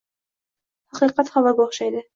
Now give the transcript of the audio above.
Haqiqat havoga o‘xshaydi.